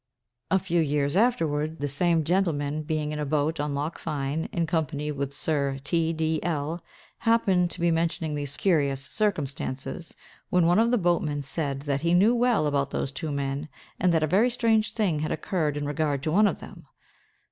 A few years afterward, the same gentleman being in a boat on Loch Fyne, in company with Sir T—— D—— L——, happened to be mentioning these curious circumstances, when one of the boatmen said that he "knew well about those two men; and that a very strange thing had occurred in regard to one of them."